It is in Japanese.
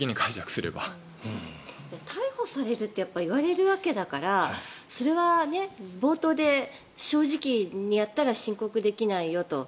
逮捕されるって言われるわけだからそれは冒頭で、正直にやったら申告できないよと。